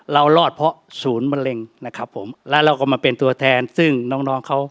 รอดเพราะศูนย์มะเร็งนะครับผมแล้วเราก็มาเป็นตัวแทนซึ่งน้องน้องเขา